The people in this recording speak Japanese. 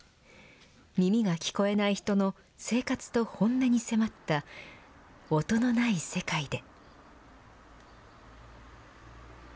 耳が聞こえない人の生活と本音に迫った音のない世界で。